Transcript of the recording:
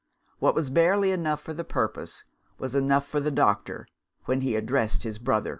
What was barely enough for the purpose, was enough for the doctor, when he addressed his brother.